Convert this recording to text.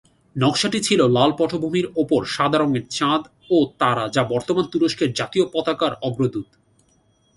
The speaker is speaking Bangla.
নকশাটি ছিল লাল পটভূমির উপর সাদা রঙের চাঁদ ও তারা যা বর্তমান তুরস্কের জাতীয় পতাকার অগ্রদূত।